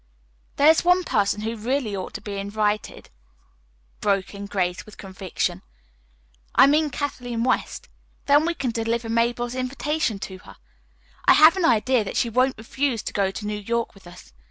"There is one person who really ought to be invited," broke in Grace, with conviction. "I mean Kathleen West. Then we can deliver Mabel's invitation to her. I have an idea that she won't refuse to go to New York with us.